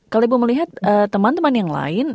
kalau ibu melihat teman teman yang lain